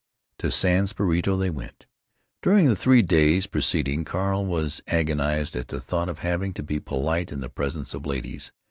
To San Spirito they went. During the three days preceding, Carl was agonized at the thought of having to be polite in the presence of ladies.